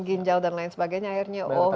ginjal dan lain sebagainya